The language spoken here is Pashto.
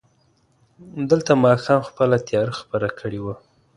دلته ماښام خپله تياره خپره کړې وه.